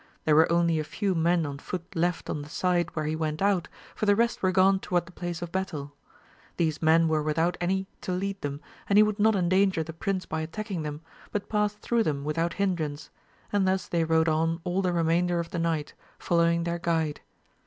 There were only a few men on foot left on the side where he went out, for the rest were gone toward the place of battle. These men were without any to lead them and he would not en danger the prince by attacking them, but passed through them without hindrance, and thus they rode on all the remainder of the night, following their guide.